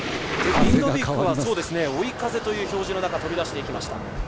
追い風という表示の中、飛び出していきました。